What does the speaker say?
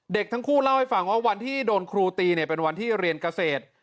ทั้งคู่เล่าให้ฟังว่าวันที่โดนครูตีเนี่ยเป็นวันที่เรียนเกษตร